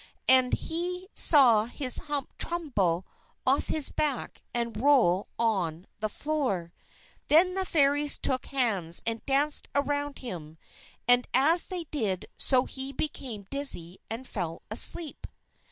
And he saw his hump tumble off his back and roll on the floor. Then the Fairies took hands, and danced around him, and as they did so he became dizzy and fell asleep.